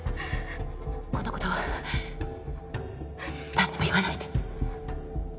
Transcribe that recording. このことは誰にも言わないで